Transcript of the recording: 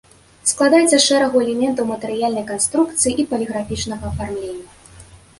Складаецца з шэрагу элементаў матэрыяльнай канструкцыі і паліграфічнага афармлення.